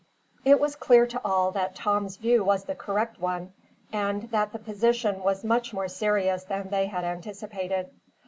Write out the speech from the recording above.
It was clear to all that Tom's view was the correct one, and that the position was much more serious than they had anticipated.